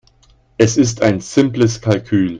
Es ist ein simples Kalkül.